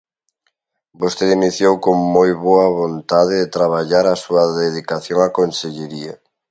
Vostede iniciou con moi boa vontade de traballar a súa dedicación á Consellería.